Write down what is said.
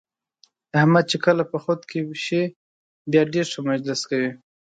احمد چې کله په خود کې شي بیا ډېر ښه مجلس کوي.